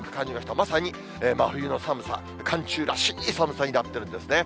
まさに真冬の寒さ、寒中らしい寒さになってるんですね。